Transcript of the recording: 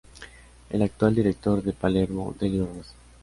El actual director de Palermo Delio Rossi.